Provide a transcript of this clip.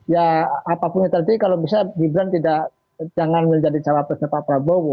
ya apapun itu kalau bisa gibran jangan menjadi calon presiden pak prabowo